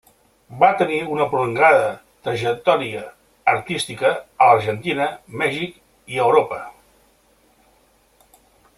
Va tenir una prolongada trajectòria artística a l'Argentina, Mèxic i en Europa.